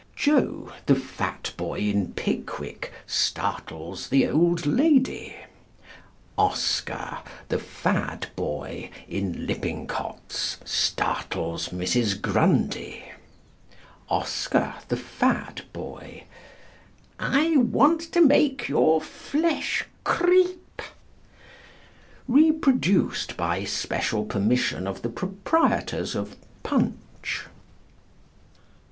Joe, the Fat Boy in Pickwick, startles the Old Lady; Oscar, the Fad Boy in Lippincott's, startles Mrs. Grundy: Oscar, the Fad Boy: "I want to make your flesh creep!" _Reproduced by special permission of the proprietors of "Punch."